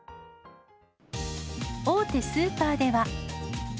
大手スーパーでは。